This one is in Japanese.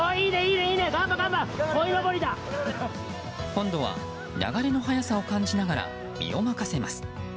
今度は流れの速さを感じながら身を任せます。